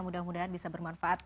mudah mudahan bisa bermanfaat